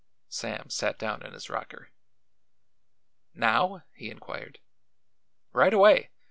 Sam sat down in his rocker. "Now?" he inquired. "Right away.